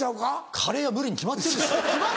カレーは無理に決まってるでしょ。